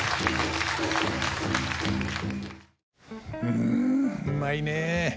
うんうまいね。